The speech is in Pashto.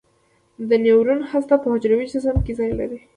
د نیورون هسته په حجروي جسم کې ځای لري.